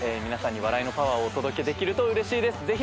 皆さんに笑いのパワーをお届けできるとうれしいです。